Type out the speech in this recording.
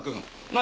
何？